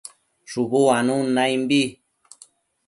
Shubu uanun naimbi